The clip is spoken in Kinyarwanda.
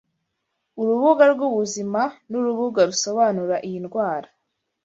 Urubuga rw’ ubuzima n’urubuga rusobanura iyi ndwara